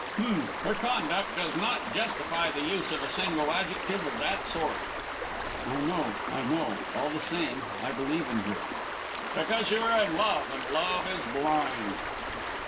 "H'm! her conduct does not justify the use of a single adjective of that sort." "I know! I know! All the same, I believe in her." "Because you are in love, and love is blind."